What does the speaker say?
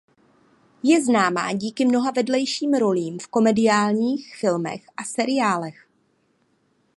Je známá díky mnoha vedlejším rolím v komediálních filmech a seriálech.